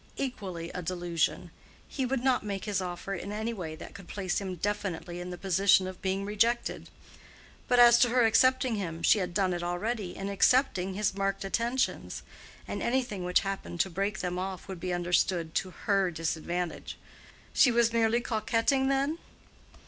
Equally a delusion. He would not make his offer in any way that could place him definitely in the position of being rejected. But as to her accepting him, she had done it already in accepting his marked attentions: and anything which happened to break them off would be understood to her disadvantage. She was merely coquetting, then?